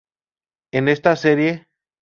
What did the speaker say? En esta serie,